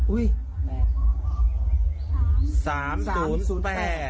อุ้ยแม่๓๓๐๘